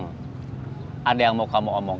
siapa khusus refrain kalau muda bujang